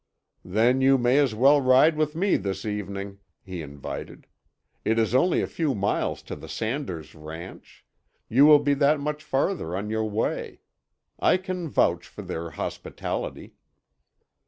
"Then you may as well ride with me this evening," he invited. "It is only a few miles to the Sanders ranch; you will be that much farther on your way. I can vouch for their hospitality."